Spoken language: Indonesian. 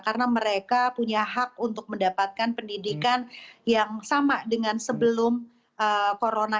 karena mereka punya hak untuk mendapatkan pendidikan yang sama dengan sebelum corona